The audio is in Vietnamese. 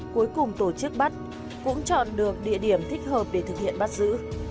cuối cùng tổ chức bắt cũng chọn được địa điểm thích hợp để thực hiện bắt giữ